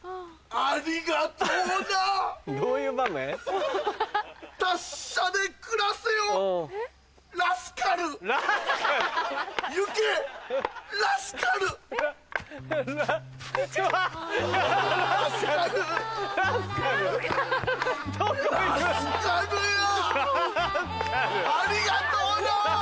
ありがとうな！